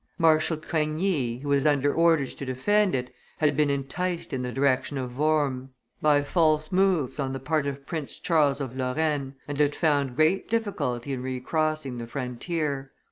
Marshal Coigny, who was under orders to defend it, had been enticed in the direction of Worms, by false moves on the part of Prince Charles of Lorraine, and had found great difficulty in recrossing the frontier.